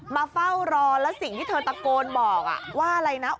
มาเฝ้ารอแล้วสิ่งที่เธอตะโกนบอกว่าอะไรนะ